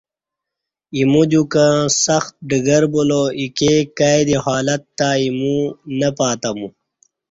ایمو دیوکہ سخت ڈگر بولا اِیکے کائ دی حالات تہ اِیمو نہ پاتمو